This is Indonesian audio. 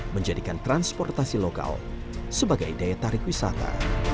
menjadikan transportasi lokal sebagai daya tarik wisata